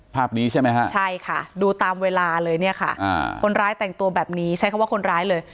ภาพนี้ใช่ไหมฮะใช่ค่ะดูตามเวลาเลยเนี่ยค่ะคนร้ายแต่งตัวแบบนี้ใช้คำว่าคนร้ายเลย